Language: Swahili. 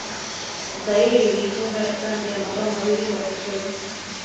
zaire iliifunga zambia mabao mawili kwa sifuri